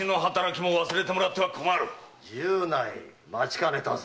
十内待ちかねたぞ。